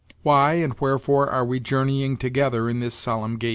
Why and wherefore are we journeying together in this solemn gait?"